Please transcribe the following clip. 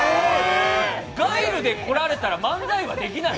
ガイルで来られたら漫才はできない。